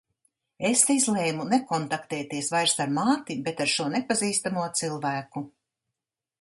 Es izlēmu nekontaktēties vairs ar māti, bet ar šo nepazīstamo cilvēku.